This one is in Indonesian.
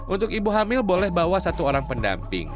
untuk ibu hamil boleh bawa satu orang pendamping